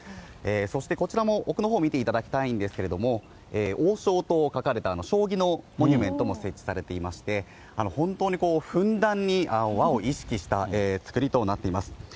そしてこちらも奥のほうを見ていただきたいんですけども、王将と書かれた将棋のモニュメントも設置されていまして、本当にこう、ふんだんに和を意識した作りとなっています。